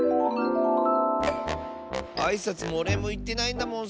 あいさつもおれいもいってないんだもん